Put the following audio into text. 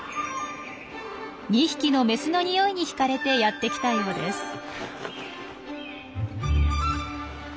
２匹のメスのにおいに引かれてやってきたようです。